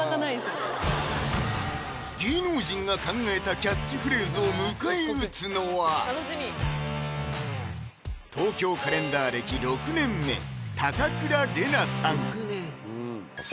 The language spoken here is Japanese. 芸能人が考えたキャッチフレーズを迎え撃つのは「東京カレンダー」歴６年目嵩倉伶奈さん